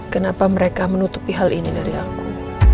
kenapa mereka menutupi hal ini dari aku